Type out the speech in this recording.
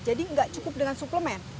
jadi tidak cukup dengan suplemen